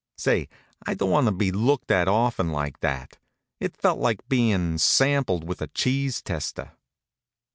Say, I don't want to be looked at often like that! It felt like bein' sampled with a cheese tester.